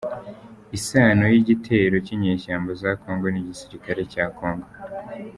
Isano y’igitero cyinyeshyamba za congo n’igisirikare cya Congo